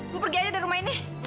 bu pergi aja dari rumah ini